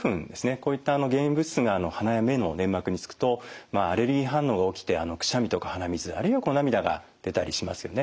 こういった原因物質が鼻や目の粘膜に付くとアレルギー反応が起きてくしゃみとか鼻水あるいは涙が出たりしますよね。